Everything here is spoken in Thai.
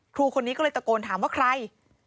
ครูคนนี้ก็เลยตะโกนถามว่าใคร